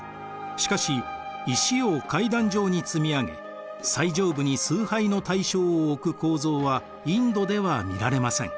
しかし石を階段状に積み上げ最上部に崇拝の対象を置く構造はインドでは見られません。